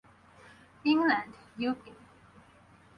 England, UK.